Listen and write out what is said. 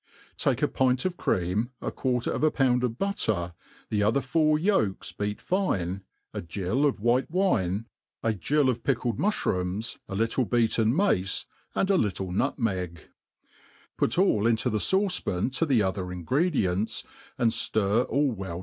Take a pint of cream, a quarter of a pound of l)utter,, the other fouC yolks beat fine, a gill of tvhil*<^ wine, a gill of pickled muili ^ rooms, a tittle be^aten mace,, and a little nutmeg ^ put> all into the fauce pan to the ojther ingredients, and ftir all well.